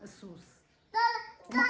kami sedang menyesal